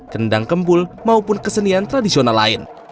kendang kempul maupun kesenian tradisional lain